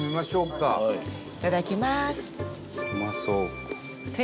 賀来：いただきます。